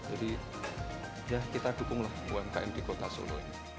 jadi ya kita dukung umkm di kota solo ini